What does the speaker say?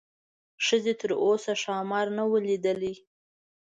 ښځې تر اوسه ښامار نه و لیدلی.